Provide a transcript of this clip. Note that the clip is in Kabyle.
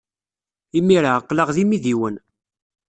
Imir-a, aql-aɣ d imidiwen.